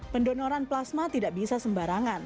pendonoran plasma tidak bisa sembarangan